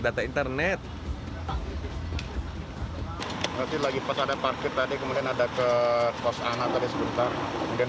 data internet nanti lagi pas ada parkir tadi kemudian ada ke kos anak tadi sebentar kemudian